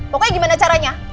pokoknya gimana caranya